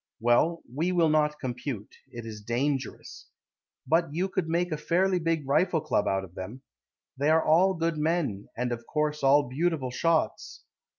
Well, we will not compute; It is dangerous. But you could make a fairly big rifle club out of them. They are all good men, And of course all beautiful shots.